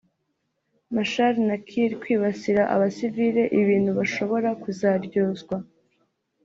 Machar na Kiir kwibasira abasivile ibintu bashobora kuzaryozwa